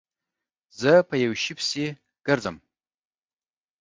زه په یوه شي پسې گرځم